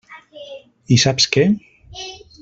I saps què?